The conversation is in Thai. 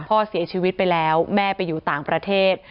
พ่อเสียชีวิตไปแล้วแม่ไปอยู่ต่างประเทศ